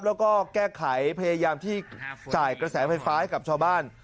แล้วก็แก้ไขพยายามที่จ่ายกระแสไฟฟ้าให้กับชาวบ้าน